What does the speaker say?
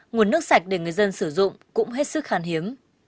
nguồn nước sạch để người dân sử dụng cũng hết sức khan hiếm